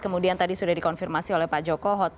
kemudian tadi sudah dikonfirmasi oleh pak joko